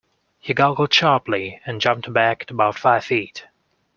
He gargled sharply, and jumped back about five feet.